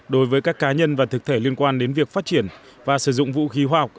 đối với các cá nhân và thực thể liên quan đến việc phát triển và sử dụng vũ khí hóa học